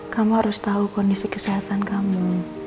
kamu harus tahu kondisi kesehatan kamu